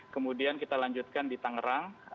kemudian kita lanjutkan di tangerang